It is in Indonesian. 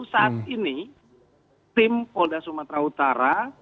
saat ini tim polda sumatera utara